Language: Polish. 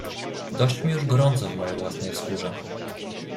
"Dość mi już gorąco w mojej własnej skórze."